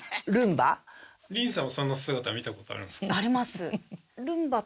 凛さんはその姿見た事あるんですか？